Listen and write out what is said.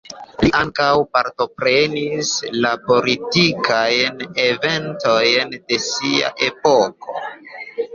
Li ankaŭ partoprenis la politikajn eventojn de sia epoko.